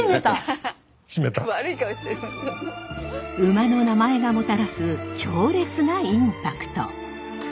馬の名前がもたらす強烈なインパクト。